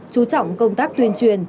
chú trọng công tác tuyên truyền